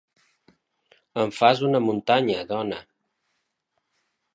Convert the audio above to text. En fas una muntanya, dona.